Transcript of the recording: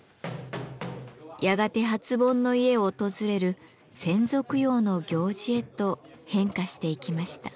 やがて初盆の家を訪れる先祖供養の行事へと変化していきました。